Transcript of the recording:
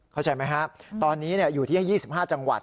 เข้าใจไหมฮะตอนนี้เนี่ยอยู่ที่๒๕จังหวัด